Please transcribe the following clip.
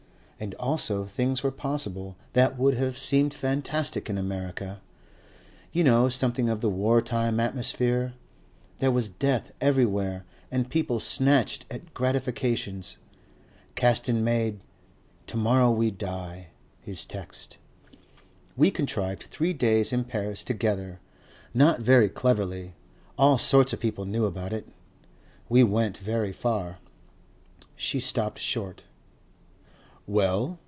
And also things were possible that would have seemed fantastic in America. You know something of the war time atmosphere. There was death everywhere and people snatched at gratifications. Caston made 'To morrow we die' his text. We contrived three days in Paris together not very cleverly. All sorts of people know about it.... We went very far." She stopped short. "Well?"